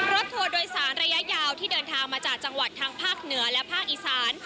ทัวร์โดยสารระยะยาวที่เดินทางมาจากจังหวัดทางภาคเหนือและภาคอีสาน